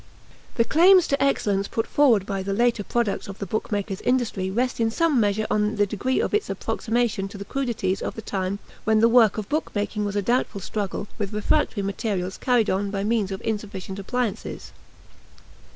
The claims to excellence put forward by the later products of the bookmaker's industry rest in some measure on the degree of its approximation to the crudities of the time when the work of book making was a doubtful struggle with refractory materials carried on by means of insufficient appliances.